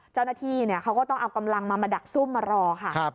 เจ้าหน้าที่เขาก็ต้องเอากำลังมามาดักซุ่มมารอค่ะ